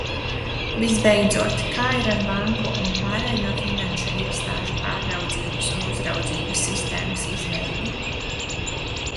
Visbeidzot, kā ir ar banku un pārējo finanšu iestāžu pārraudzības un uzraudzības sistēmas izveidi?